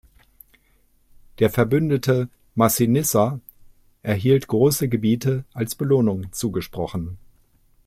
Der Verbündete Massinissa erhielt große Gebiete als Belohnung zugesprochen.